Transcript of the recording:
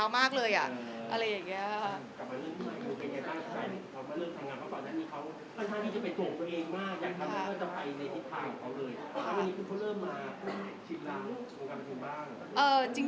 บ้าง